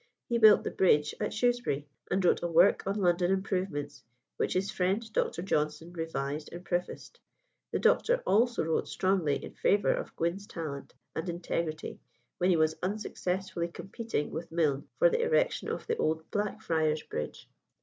He built the bridge at Shrewsbury, and wrote a work on London improvements, which his friend Dr. Johnson revised and prefaced. The doctor also wrote strongly in favour of Gwynn's talent and integrity when he was unsuccessfully competing with Mylne for the erection of old Blackfriars Bridge.